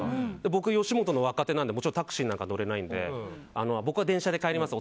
僕、吉本の若手なのでもちろんタクシーなんか乗れないので僕は電車で帰ります